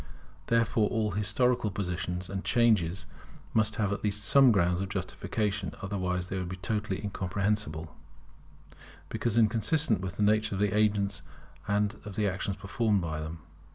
Therefore all historical positions and changes must have at least some grounds of justification; otherwise they would be totally incomprehensible, because inconsistent with the nature of the agents and of the actions performed by them.